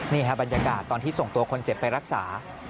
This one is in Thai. นี่ครับบรรยากาศตอนที่ส่งตัวคนเจ็บไปรักษา